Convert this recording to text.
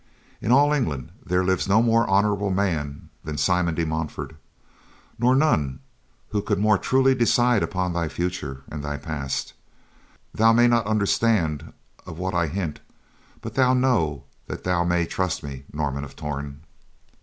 In all England there lives no more honorable man than Simon de Montfort, nor none who could more truly decide upon thy future and thy past. Thou may not understand of what I hint, but thou know that thou may trust me, Norman of Torn."